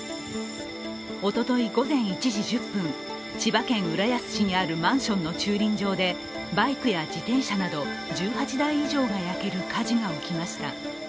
おととい午前１時１０分、千葉県浦安市にあるマンションの駐輪場でバイクや自転車など１８台以上が焼ける火事がありました。